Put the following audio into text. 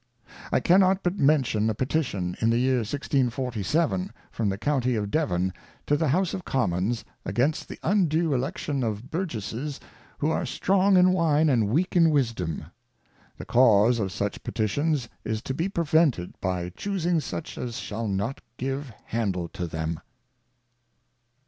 I cannot but mention a Petition in the year 1647, from the County of Devon, to the House of Commons, against the undue Election of Burgesses who are strong in Wine and weak in Wisdom. The cause of such Petitions is to be prevented by Chusing such as shall not give handle for them.